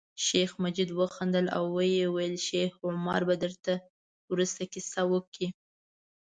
شیخ مجید وخندل او ویل یې شیخ عمر به درته وروسته کیسه وکړي.